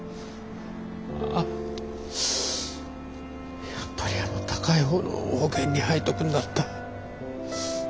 ああやっぱりあの高い方の保険に入っとくんだった。